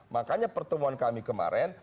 makanya pertemuan kami kemarin